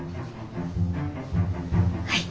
はい。